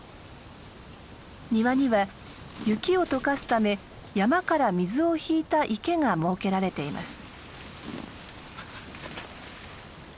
庭には雪を解かすため山から水を引いた池が設けられています。